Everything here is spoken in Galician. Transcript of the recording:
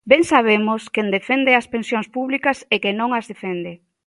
Ben sabemos quen defende as pensións públicas e quen non as defende.